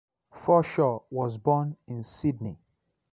Forshaw was born in Sydney.